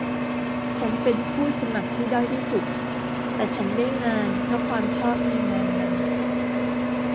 ฉันเป็นผู้สมัครที่ด้อยที่สุด แต่ฉันได้งานเพราะความชอบในงานนั้น